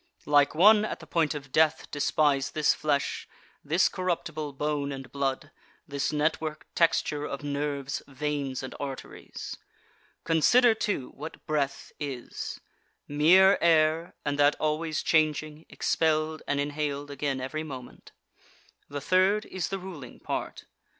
Like one at the point of death despise this flesh, this corruptible bone and blood, this network texture of nerves, veins, and arteries. Consider, too, what breath is mere air, and that always changing, expelled and inhaled again every moment. The third is the ruling part.